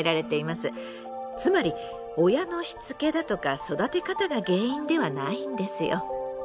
つまり親のしつけだとか育て方が原因ではないんですよ。